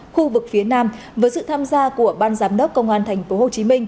khu vực phía nam với sự tham gia của ban giám đốc công an tp hcm